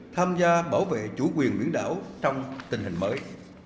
tham gia bảo vệ chủ quyền biển đảo trong tình hình mới